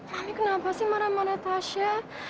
mami kenapa sih marah marah tasya